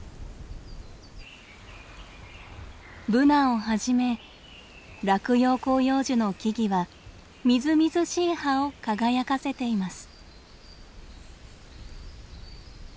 ブナをはじめ落葉広葉樹の木々はみずみずしい葉を輝かせています。